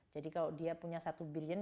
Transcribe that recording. jadi kalau dia punya satu billion